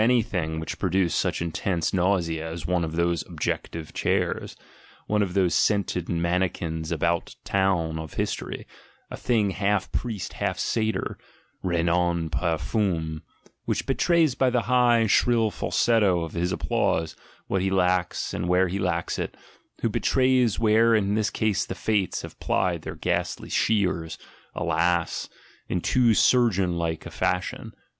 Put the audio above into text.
3 THE GENEALOGY OF MORALS which produced such intense nausea as one of those "ob jective" chairs* one of those scented mannikins about town of history, a thing half priest, half satyr (Renan parfum), which betrays by the high, shrill falsetto of his applause what he lacks and where he lacks it, who betrays where in this case the Fates have plied their ghastly shears, alas: in too surgeon like a fashion!